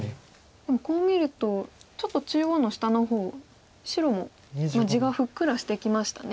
でもこう見るとちょっと中央の下の方白も地がふっくらしてきましたね。